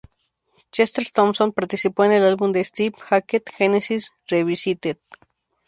Chester Thompson participó en el álbum de Steve Hackett, "Genesis revisited".